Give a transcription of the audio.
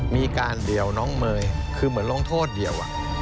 มีการเดี่ยวน้องเมย์คือเหมือนลงโทษเดี่ยว